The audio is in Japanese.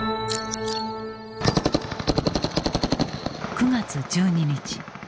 ９月１２日